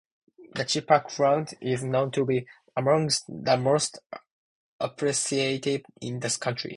The Chepauk crowd is known to be amongst the most appreciative in the country.